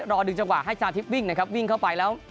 ดึงจังหวะให้จาทิพย์วิ่งนะครับวิ่งเข้าไปแล้ว